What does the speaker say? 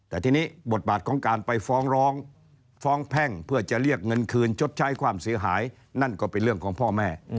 แต่ทีนี้บทบาทของการไปฟ้องร้องฟ้องแพ่งเพื่อจะเรียกเงินคืนชดใช้ความเสียหายนั่นก็เป็นเรื่องของพ่อแม่